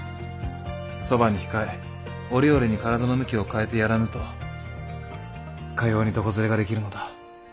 そばに控え折々に体の向きを変えてやらぬとかように床ずれができるのだ。